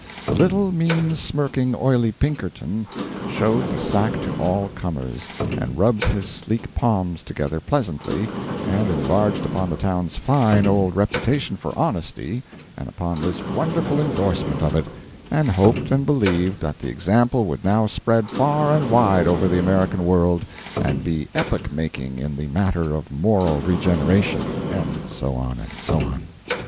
The little mean, smirking, oily Pinkerton showed the sack to all comers, and rubbed his sleek palms together pleasantly, and enlarged upon the town's fine old reputation for honesty and upon this wonderful endorsement of it, and hoped and believed that the example would now spread far and wide over the American world, and be epoch making in the matter of moral regeneration. And so on, and so on.